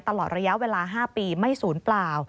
ตลอดระยะเวลา๕ปีไม่ศูนย์เปล่า